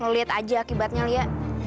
lihat saja akibatnya lia